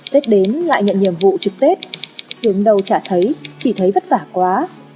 tết đến lại nhận nhiệm vụ trực tết sướng đầu chả thấy chỉ thấy vất vả quá